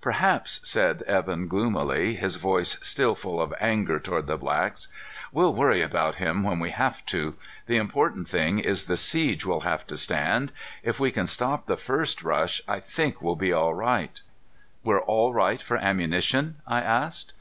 "Perhaps," said Evan gloomily, his voice still full of anger toward the blacks. "We'll worry about him when we have to. The important thing is the siege we'll have to stand. If we can stop the first rush, I think we'll be all right." "We're all right for ammunition?" I asked.